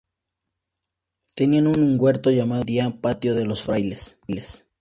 Tenían un huerto llamado hoy en día patio de los Frailes.